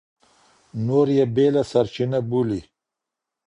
نور يې بېله سرچينه بولي.